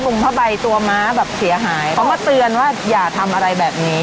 งผ้าใบตัวม้าแบบเสียหายเขามาเตือนว่าอย่าทำอะไรแบบนี้